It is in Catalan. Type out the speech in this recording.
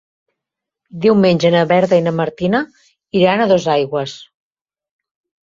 Diumenge na Berta i na Martina iran a Dosaigües.